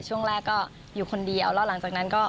ช่วงแรกก็อยู่คนเดียวแล้วหลังจากนั้นก็